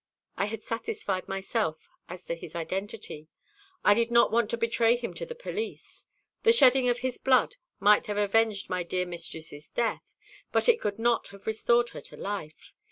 I had satisfied myself as to his identity. I did not want to betray him to the police. The shedding of his blood might have avenged my dear mistress's death, but it could not have restored her to life.